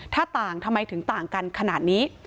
ถ้าต่างทำไมถึงต่างกันขนาดนี้